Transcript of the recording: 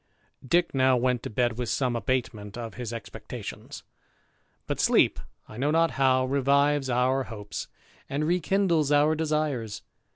Dick now went to bed with some abatement of his expectations ; but sleep, I know not how, revives our hopes, and rekindles our desires.